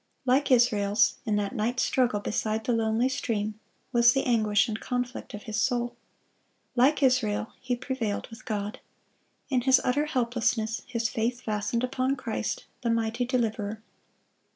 Like Israel's, in that night struggle beside the lonely stream, was the anguish and conflict of his soul. Like Israel, he prevailed with God. In his utter helplessness his faith fastened upon Christ, the mighty deliverer.